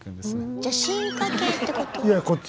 じゃあ進化型ってこと？